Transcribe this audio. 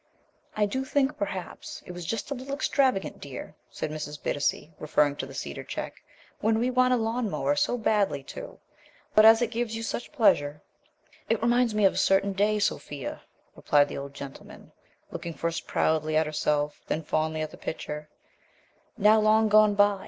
"I do think, perhaps, it was just a little extravagant, dear," said Mrs. Bittacy, referring to the cedar check, "when we want a lawnmower so badly too. But, as it gives you such pleasure " "It reminds me of a certain day, Sophia," replied the old gentleman, looking first proudly at herself, then fondly at the picture, "now long gone by.